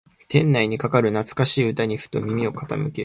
店内にかかる懐かしい歌にふと耳を傾ける